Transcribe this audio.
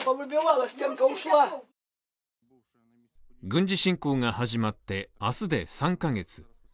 軍事侵攻が始まって、明日で３カ月。